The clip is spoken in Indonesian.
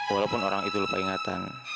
walaupun orang itu lupa ingatan